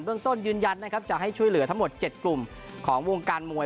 เรื่องต้นยืนยันนะครับจะให้ช่วยเหลือทั้งหมด๗กลุ่มของวงการมวย